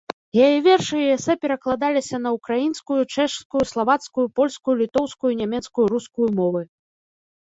Яе вершы і эсэ перакладаліся на ўкраінскую, чэшскую, славацкую, польскую, літоўскую, нямецкую, рускую мовы.